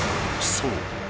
［そう。